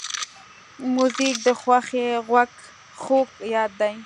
موزیک د خوښۍ خوږ یاد دی.